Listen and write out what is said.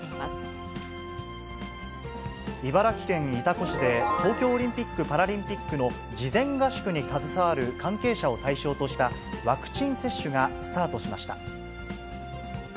茨城県潮来市で、東京オリンピック・パラリンピックの事前合宿に携わる関係者を対象としたワクチン接種がスタートしました。